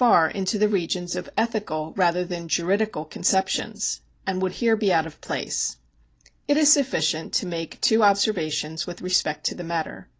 §72] LEGAL RIGHTS 183 into the regions of ethical rather than juridical conceptions, and would here be out of place. It is sufficient to make two observations with respect to the matter.